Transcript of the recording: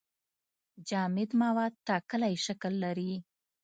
جامد مواد ټاکلی شکل لري.